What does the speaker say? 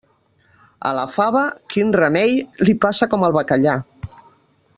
A la fava, quin remei!, li passa com al bacallà.